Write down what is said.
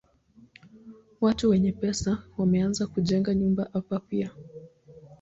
Watu wenye pesa wameanza kujenga nyumba hapa pia.